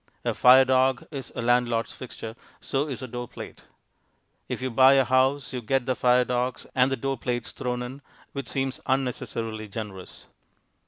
A fire dog is a landlord's fixture; so is a door plate. If you buy a house you get the fire dogs and the door plates thrown in, which seems unnecessarily generous.